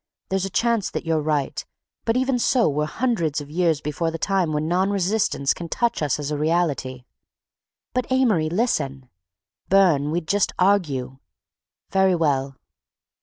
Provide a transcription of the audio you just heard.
There's a chance that you're right—but even so we're hundreds of years before the time when non resistance can touch us as a reality." "But, Amory, listen—" "Burne, we'd just argue—" "Very well."